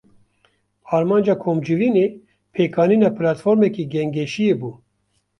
Armanca komcivînê, pêkanîna platformeke gengeşiyê bû